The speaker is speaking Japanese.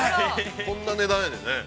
こんな値段やねんね。